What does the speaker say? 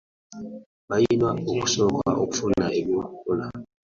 Balina okusooka okufuna eby'okukola.